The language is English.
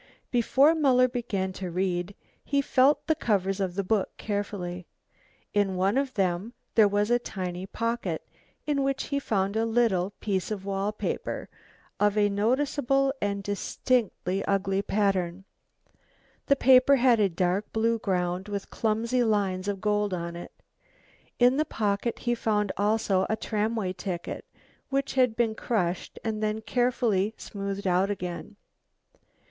Before Muller began to read he felt the covers of the book carefully. In one of them there was a tiny pocket, in which he found a little piece of wall paper of a noticeable and distinctly ugly pattern. The paper had a dark blue ground with clumsy lines of gold on it. In the pocket he found also a tramway ticket, which had been crushed and then carefully smoothed out again.